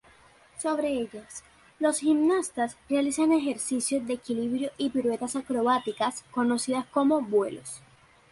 Sobre ellas, los gimnastas realizan ejercicios de equilibrio y piruetas acrobáticas conocidas como vuelos.